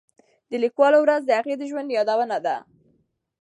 د لیکوالو ورځ د هغوی د ژوند یادونه ده.